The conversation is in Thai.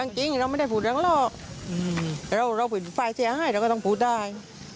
ก็ไม่รู้ว่าสิ่งปกป้องได้